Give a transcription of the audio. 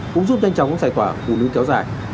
cũng giúp nhanh chóng giải tỏa của nút kéo dài